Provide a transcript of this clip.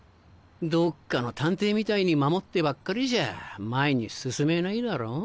どっかの探偵みたいに守ってばっかりじゃあ前に進めないだろう？